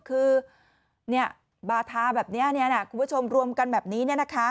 คือบาทาแบบนี้คุณผู้ชมรวมกันแบบนี้